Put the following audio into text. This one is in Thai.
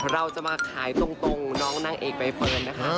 เราจะมาขายตรงน้องนางเอกใบเฟิร์นนะคะ